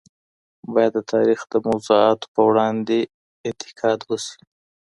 باید د تاریخ د موضوعاتو په وړاندي انتقاد وسي.